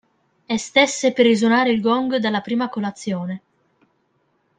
E stesse per risuonare il gong della prima colazione.